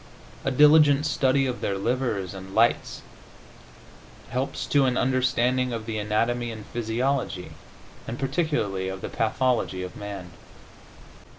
A diligent study of their livers and lights helps to an understanding of the anatomy and physiology, and particularly of the pathology, of man.